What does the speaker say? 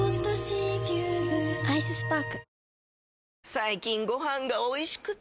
最近ご飯がおいしくて！